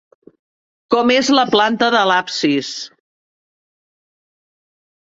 Com és la planta de l'absis?